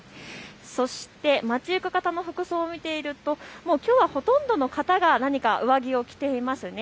そして街行く方の服装を見ているときょうはほとんどの方が上着を着ていますね。